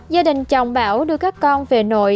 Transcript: gia đình chồng bảo đưa các con về nội